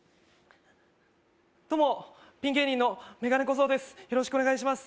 どうもピン芸人のメガネコゾウです